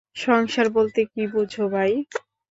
সংসার বলতে কী বোঝ ভাই?